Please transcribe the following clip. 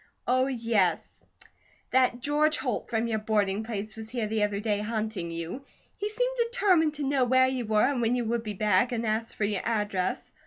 Oh, yes, that George Holt from your boarding place was here the other day hunting you. He seemed determined to know where you were and when you would be back, and asked for your address.